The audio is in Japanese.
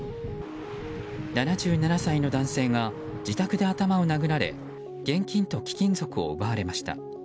７７歳の男性が自宅で頭を殴られ現金と貴金属を奪われました。